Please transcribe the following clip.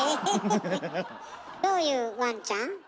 どういうワンちゃん？